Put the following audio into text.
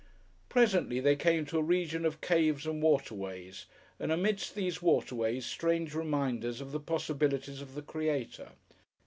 Presently they came to a region of caves and waterways, and amidst these waterways strange reminders of the possibilities of the Creator.